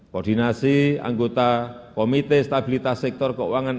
koordinasi anggota komite stabilitas sektor keuangan